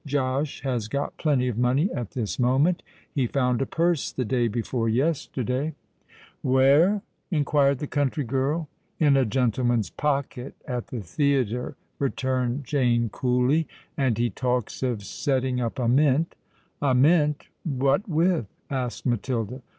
Josh has got plenty of money at this moment. He found a purse the day before yesterday——" "Where?" inquired the country girl. "In a gentleman's pocket, at the theatre," returned Jane coolly; "and he talks of setting up a mint——" "A mint! what with?" asked Matilda.